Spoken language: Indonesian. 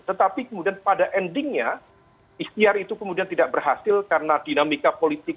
tetapi kemudian pada endingnya ikhtiar itu kemudian tidak berhasil karena dinamika politik